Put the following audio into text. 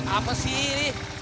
apa sih ini